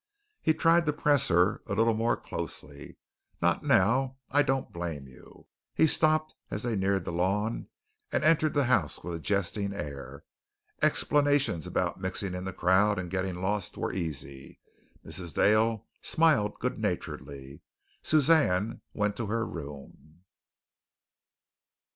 He tried to press her a little more closely. "Not now. I don't blame you." He stopped as they neared the lawn and entered the house with a jesting air. Explanations about mixing in the crowd and getting lost were easy. Mrs. Dale smiled good naturedly. Suzanne went to her room.